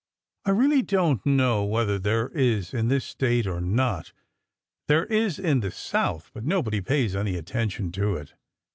" I really don't know whether there is in this State or not. There is in the South, but nobody pays any attention to it.